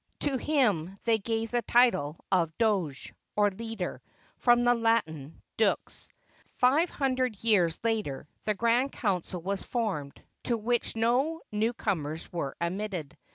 To him they gave the title of Doge, or leader, from the Latin dux. Five hundred years later, the Grand Council was formed, to which no new comers were admitted.